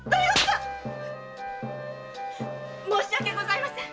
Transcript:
申し訳ございません。